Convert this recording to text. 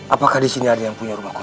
apakah disini ada yang punya rumah kosong